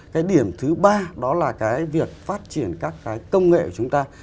cái điểm thứ ba đó là cái việc phát triển các cái công nghệ của chúng ta